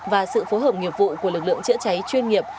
và sự phối hợp nghiệp vụ của lực lượng chữa cháy chuyên nghiệp